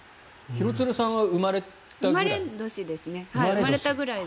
廣津留さんは生まれたくらい？